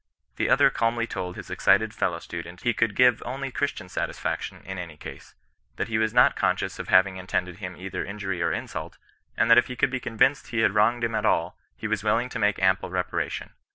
The other calmly told his excited fellow student he could give only Christian satisfaction in any <;ase ; that he was not conscious of having intended him either injury or insult, and that if he could be convinced he had wronged him at all, he was willing to make ample reparation.